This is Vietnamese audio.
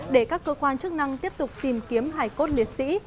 để các cơ quan chức năng tiếp tục tìm kiếm hải cốt liệt sĩ